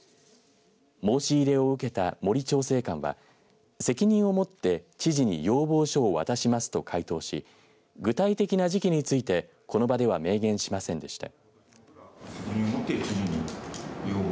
申し入れを受けた森調整監は責任をもって知事に要望書を渡しますと回答し具体的な時期についてこの場では明言しませんでした。